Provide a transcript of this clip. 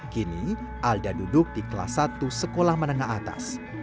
kini alda duduk di kelas satu sekolah menengah atas